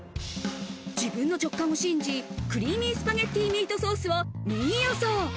自分の直感を信じ「クリーミースパゲッティ、ミートソース」を２位予想。